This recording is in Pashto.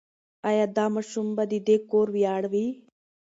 ایا دا ماشوم به د دې کور ویاړ وي؟